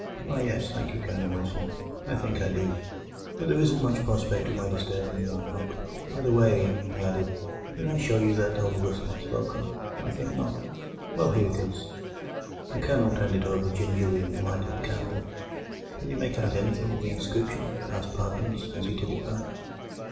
"Why, yes, thank you, Colonel Wilson, I think I do; but there isn't much prospect of my disturbing you, I hope. By the way," he added, "did I show you that old whistle I spoke of? I think not. Well, here it is." The Colonel turned it over gingerly in the light of the candle. "Can you make anything of the inscription?" asked Parkins, as he took it back.